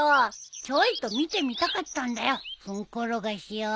ちょいと見てみたかったんだよフンコロガシを。